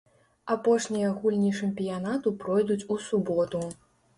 Апошнія гульні чэмпіянату пройдуць у суботу.